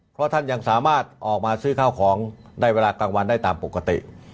เพราะท่านยังสามารถออกมาซื้อข้าวของได้เวลากลางวันได้ตามปกติ